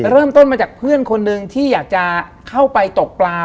เริ่มต้นมาจากเพื่อนคนหนึ่งที่อยากจะเข้าไปตกปลา